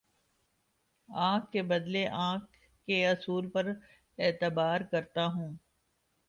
آنکھ کے بدلے آنکھ کے اصول پر اعتبار کرتا ہوں